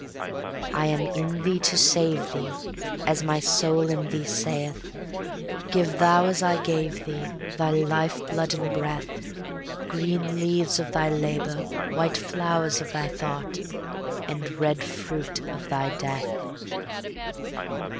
I am in thee to save thee, As my soul in thee saith, Give thou as I gave thee, Thy life blood and breath, Green leaves of thy labor, white flowers of thy thought, and red fruit of thy death.